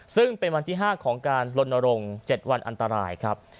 ซึ่งเป็นวันที่๕ของการลนรงค์๗วันอันตรายครับ